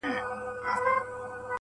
هغه ورځ په واک کي زما زړه نه وي.